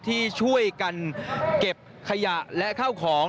ที่ช่วยกันเก็บขยะและเข้าของ